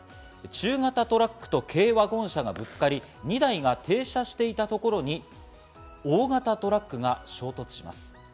中型トラックと軽ワゴン車がぶつかり、２台が停車していたところに大型トラックが衝突します。